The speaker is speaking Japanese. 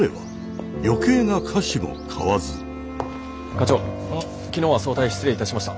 課長昨日は早退失礼いたしました。